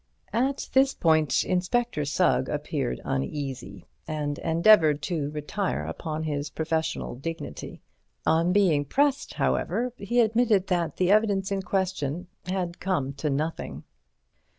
At this point Inspector Sugg appeared uneasy, and endeavoured to retire upon his professional dignity. On being pressed, however, he admitted that the evidence in question had come to nothing.